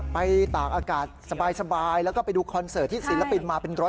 ตากอากาศสบายแล้วก็ไปดูคอนเสิร์ตที่ศิลปินมาเป็นร้อย